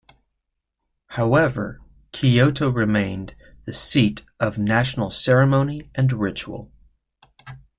However, Kyoto remained the seat of national ceremony and ritual.